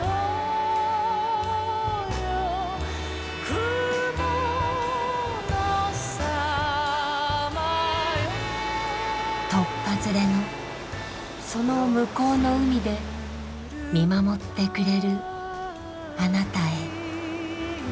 雲のさまよ」とっぱずれのその向こうの海で見守ってくれるあなたへ。